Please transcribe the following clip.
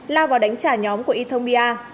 lao vào đánh trả nhóm của y thông bia